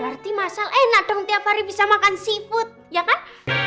berarti masal enak dong tiap hari bisa makan seafood ya kan